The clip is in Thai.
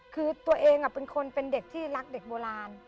คือตัวเองเป็นคนเป็นเด็กที่รักเด็กโบราณ